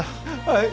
はい